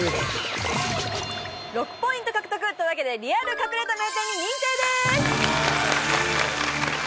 ６ポイント獲得というわけでリアル隠れた名店に認定です！